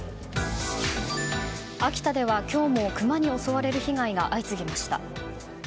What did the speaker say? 秋田では今日もクマに襲われる被害が相次ぎました。